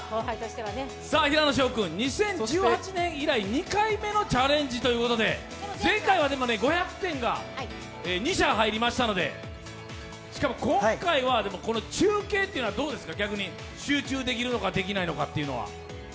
平野紫耀君、２０１８年以来、２回目のチャレンジということで前回は５００点が２射入りましたのでしかも今回は、この中継というのは逆にどうですか、集中できるのかできないのかというのは。